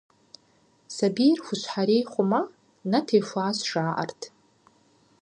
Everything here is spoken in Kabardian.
Сабийр хущхьэрей хъуамэ, нэ техуащ, жаӏэрт.